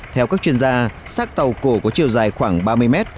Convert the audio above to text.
theo các chuyên gia sát tàu cổ có chiều dài khoảng ba mươi mét